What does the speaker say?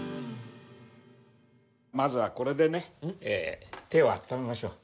まずはこれでね手をあっためましょう。